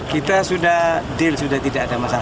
kita sudah deal sudah tidak ada masalah